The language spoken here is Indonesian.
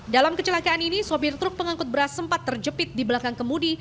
dalam kecelakaan ini sopir truk pengangkut beras sempat terjepit di belakang kemudi